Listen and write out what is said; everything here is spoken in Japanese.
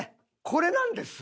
これなんです。